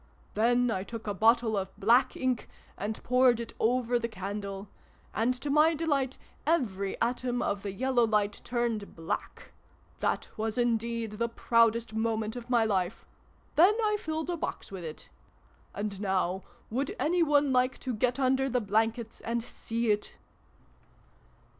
Then I took a bottle of Black ink, and poured it over the candle : and, to my delight, every atom of the Yellow Light turned Black ! That was indeed the proudest moment of my life ! Then I filled a box with it. And now would any one like to get under the blankets and see it